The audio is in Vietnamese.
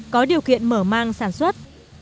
có điều kiện mở mang sản xuất